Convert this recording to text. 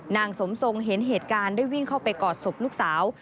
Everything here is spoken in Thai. นางสมทรงเห็นเหตุการณ์ได้วิ่งเข้าไปกอดศพลูกสาว